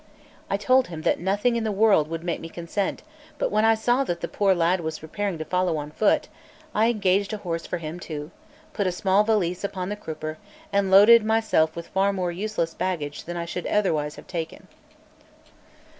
I told him that nothing in the world would make me consent; but when I saw that the poor lad was preparing to follow on foot, I engaged a horse for him too, put a small valise upon the crupper, and loaded myself with far more useless baggage than I should otherwise have taken.